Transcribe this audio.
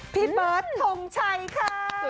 พี่เบิร์ดทงชัยค่ะ